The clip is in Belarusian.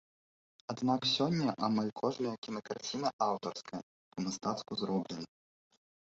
Аднак сёння амаль кожная кінакарціна аўтарская, па-мастацку зробленая.